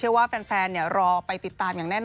เชื่อว่าแฟนเนี่ยรอไปติดตามอย่างแน่นอน